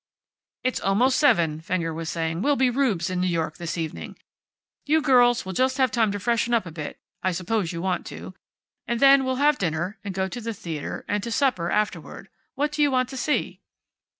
"It's almost seven," Fenger was saying. "We'll be rubes in New York, this evening. You girls will just have time to freshen up a bit I suppose you want to and then we'll have dinner, and go to the theater, and to supper afterward. What do you want to see?"